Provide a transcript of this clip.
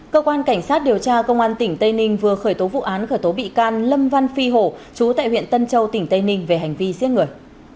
cơ quan cảnh sát điều tra công an tỉnh tây ninh vừa khởi tố vụ án khởi tố bị can lâm văn phi hổ chú tại huyện tân châu tỉnh tây ninh về hành vi giết người